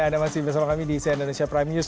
anda masih bersama kami di cnn indonesia prime news